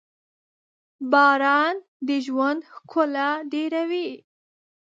• باران د ژوند ښکلا ډېروي.